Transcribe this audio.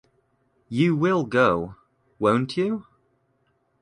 You will go, won't you?